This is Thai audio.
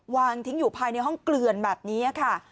วางทิ้งอยู่ภายในห้องเกลือนแบบนี้ค่ะ